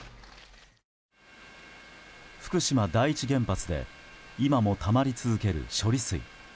福島第一原発で今もたまり続ける処理水。